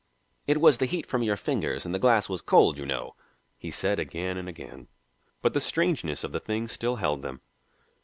"It was the heat from your fingers and the glass was cold, you know," he said again and again. But the strangeness of the thing still held them.